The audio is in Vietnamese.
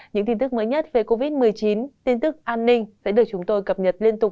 những tin tức mới nhất về covid một mươi chín tin tức an ninh sẽ được chúng tôi cập nhật liên tục